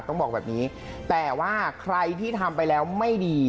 ต้องบอกแบบนี้แต่ว่าใครที่ทำไปแล้วไม่ดี